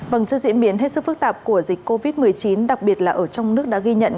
vâng trước diễn biến hết sức phức tạp của dịch covid một mươi chín đặc biệt là ở trong nước đã ghi nhận